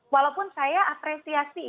walaupun saya apresiasi